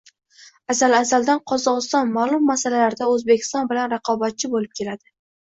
Azal-azaldan Qozogʻiston maʼlum masalalarda Oʻzbekiston bilan raqobatchi boʻlib keladi.